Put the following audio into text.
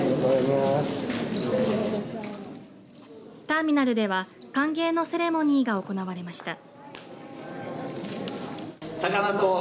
ターミナルでは歓迎のセレモニーが行われました。